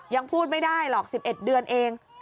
ยังพูดไม่ได้หรอก๑๑เดือนเอง